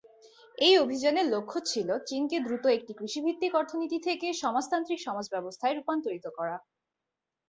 এই অভিযানের লক্ষ্য ছিল চীনকে দ্রুত একটি কৃষিভিত্তিক অর্থনীতি থেকে সমাজতান্ত্রিক সমাজব্যবস্থায় রূপান্তরিত করা।